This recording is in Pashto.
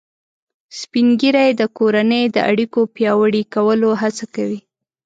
سپین ږیری د کورنۍ د اړیکو پیاوړي کولو هڅه کوي